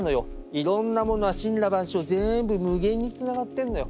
いろんなものは森羅万象全部無限につながってんのよ。